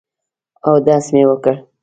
اودس مې وکړ.